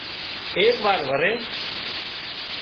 ايڪ وار وري